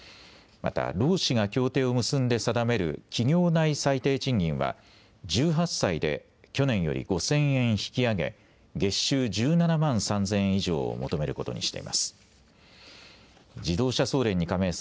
また労使が協定を結んで定める企業内最低賃金は１８歳で去年より５０００円引き上げ月収１７万３０００円以上を求めることにしています。